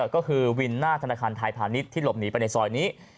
ก็คือวินหน้าธนาคารไทยพาณิชย์ที่หลบหนีไปในซอยนี้